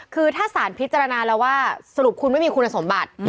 คือถ้าสารพิจารณาแล้วว่าสรุปคุณไม่มีคุณสมบัติ